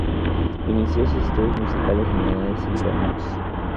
Inició sus estudios musicales a la edad de cinco años.